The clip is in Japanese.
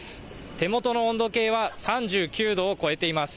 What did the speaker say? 手元の温度計は３９度を超えています。